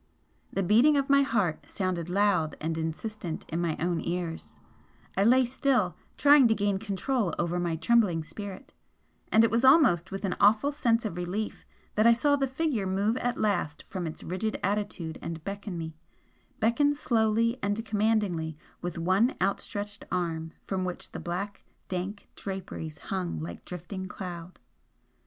The beating of my heart sounded loud and insistent in my own ears, I lay still, trying to gain control over my trembling spirit, and it was almost with an awful sense of relief that I saw the figure move at last from its rigid attitude and beckon me beckon slowly and commandingly with one outstretched arm from which the black, dank draperies hung like drifting cloud.